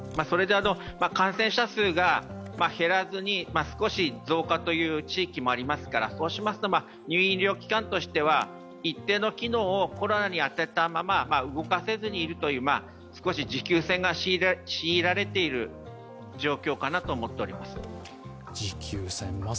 それで感染者数が減らずに、少し増加という地域もありますから、そうしますと入院医療機関としましては一定の機能をコロナに当てたまま、動かせずにいるという少し持久戦が強いられている状況かなと思っております。